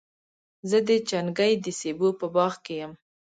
زه د چنګۍ د سېبو په باغ کي یم.